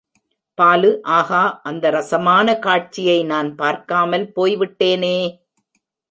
பாலு ஆகா, அந்த ரசமான காட்சியை நான் பார்க்காமல் போய்விட்டேனே!